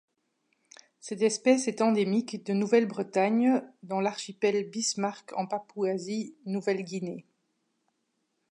Cette espèce est endémique de Nouvelle-Bretagne dans l'archipel Bismarck en Papouasie-Nouvelle-Guinée.